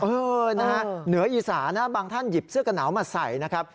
เออเนื้ออีศาบางท่านหยิบเสื้อกะหนาวมาใส่นะครับ